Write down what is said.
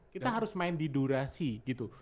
kita harus main di durasi gitu